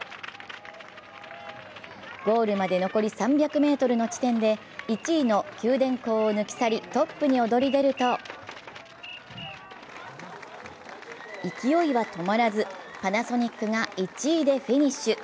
ゴールまで残り３００ｍの地点で１位の九電工を抜き去り、トップに躍り出ると、勢いは止まらず、パナソニックが１位でフィニッシュ。